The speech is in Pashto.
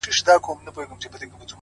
هره هڅه د ځان د اصلاح برخه ده!